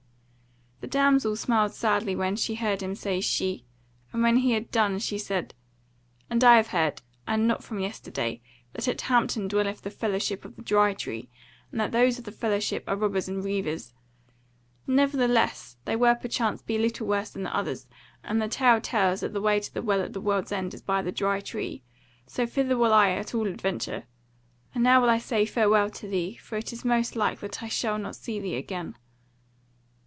The damsel smiled sadly when she heard him say 'She,' and when he had done she said: "And I have heard, and not from yesterday, that at Hampton dwelleth the Fellowship of the Dry Tree, and that those of the fellowship are robbers and reivers. Nevertheless they will perchance be little worse than the others; and the tale tells that the way to the Well at the World's End is by the Dry Tree; so thither will I at all adventure. And now will I say farewell to thee, for it is most like that I shall not see thee again."